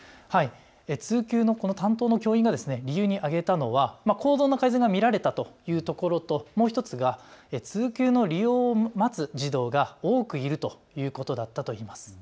通級の担当の教員が理由に挙げたのは行動の改善が見られたというところともう１つが通級の利用を待つ児童が多くいるということだったといいます。